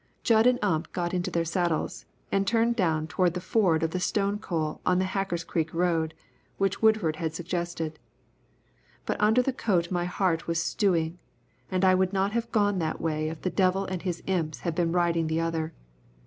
Jud and Ump got into their saddles and turned down toward the ford of the Stone Coal on the Hacker's Creek road, which Woodford had suggested. But under the coat my heart was stewing, and I would not have gone that way if the devil and his imps had been riding the other.